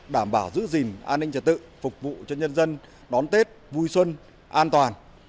đảm bảo giữ gìn an ninh trật tự phục vụ cho nhân dân đón tết vui xuân an toàn